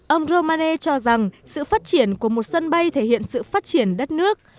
ông romane cho rằng sự phát triển của một sân bay thể hiện sự phát triển đất nước